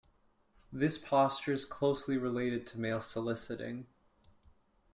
This posture is closely related to male soliciting.